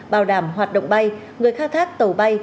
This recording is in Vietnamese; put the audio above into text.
bảo đảm hoạt động bay người khai thác tàu bay